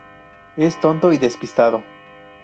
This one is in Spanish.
Es tonto y despistado.